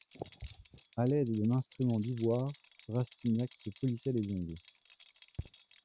A l'aide d'un instrument d'ivoire, Rastignac se polissait les ongles.